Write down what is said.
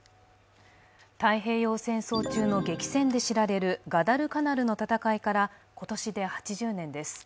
太平洋戦争中の激戦で知られるガダルカナルの戦いから今年で８０年です。